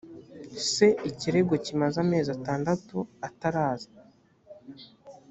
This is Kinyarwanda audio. se ikirego kimaze amezi atandatu ataraza